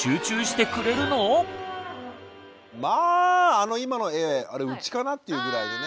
まああの今の画あれうちかなっていうぐらいのね。